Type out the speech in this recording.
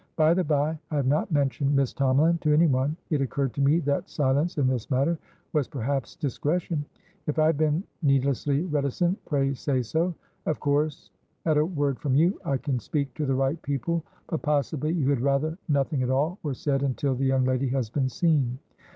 By the bye, I have not mentioned Miss Tomalin to any one; it occurred to me that silence in this matter was perhaps discretion. If I have been needlessly reticent, pray say so. Of course at a word from you, I can speak to the right people, but possibly you had rather nothing at all were said until the young lady has been seen.